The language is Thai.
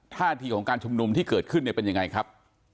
ท่าทีของการชุมนุมที่เกิดขึ้นเนี่ยเป็นยังไงครับ